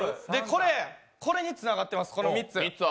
これ、これにつながってます、３つ。